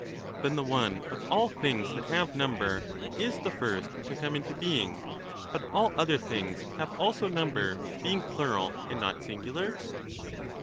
P^r Then the one of all things that have number is the first to '"'^ come into being ; but all other things have also number, being ^^^J^'^" plural and not singular.